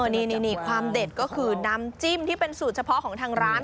นี่ความเด็ดก็คือน้ำจิ้มที่เป็นสูตรเฉพาะของทางร้าน